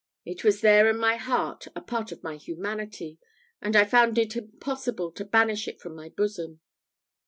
It was there in my heart a part of my humanity, and I found it impossible to banish it from my bosom.